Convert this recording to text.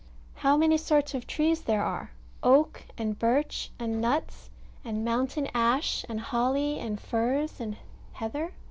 How many sorts of trees there are oak, and birch and nuts, and mountain ash, and holly and furze, and heather.